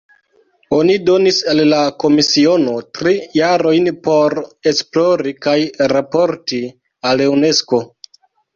Oni donis al la komisiono tri jarojn por esplori kaj raporti al Unesko.